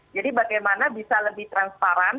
jadi bagaimana bisa lebih transparan